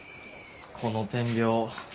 この点描